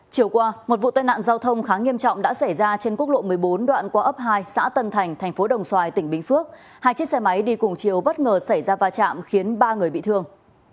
chiều qua một vụ tai nạn giao thông khá nghiêm trọng đã xảy ra trên quốc lộ một mươi bốn đoạn qua ấp hai xã tân thành thành phố đồng xoài tỉnh bình phước hai chiếc xe máy đi cùng chiều bất ngờ xảy ra va chạm khiến ba người bị thương